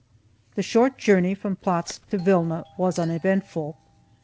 The short journey from Plotzk to Vilna was uneventful.